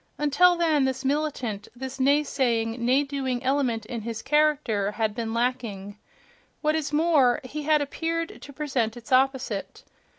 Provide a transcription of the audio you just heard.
Until then this militant, this nay saying, nay doing element in his character had been lacking; what is more, he had appeared to present its opposite.